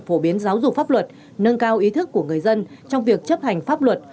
phổ biến giáo dục pháp luật nâng cao ý thức của người dân trong việc chấp hành pháp luật